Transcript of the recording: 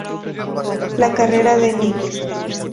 La carrera de Lic.